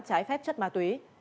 trái phép chất ma túy